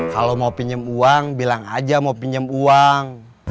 kalau mau pinjem uang bilang aja mau pinjem uang